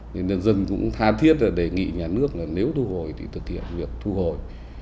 nên nhân dân cũng tha thiết là đề nghị nhà nước là nếu thu hồi thì thực hiện việc thu hồi